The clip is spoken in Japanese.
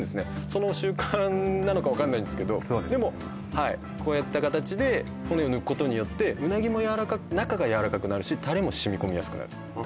その習慣なのかわかんないんですけどそうですはいこうやった形で骨を抜くことによってうなぎも中がやわらかくなるしタレも染み込みやすくなるはあ